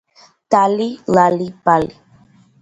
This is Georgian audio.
დალი ლალი ბალი